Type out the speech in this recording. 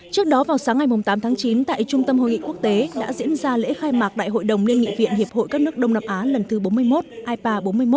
trước đó vào sáng ngày tám tháng chín tại trung tâm hội nghị quốc tế đã diễn ra lễ khai mạc đại hội đồng liên nghị viện hiệp hội các nước đông nam á lần thứ bốn mươi một ipa bốn mươi một